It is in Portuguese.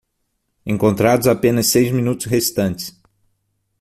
Encontrados apenas seis minutos restantes